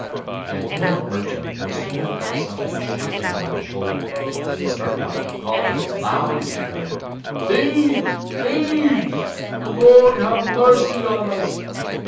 The itinerant merchant no sooner felt somebody shaking him by the shoulder, than he started up, called, as loud as he could, "Thieves, thieves! Lord have mercy upon us!"